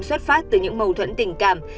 xuất phát từ những mâu thuẫn tình cảm